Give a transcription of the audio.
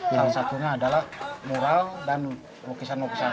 salah satunya adalah mural dan lukisan lukisan